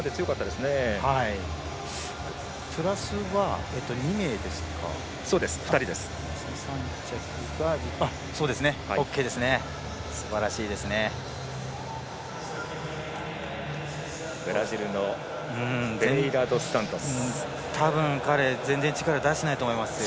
すばらしいですね。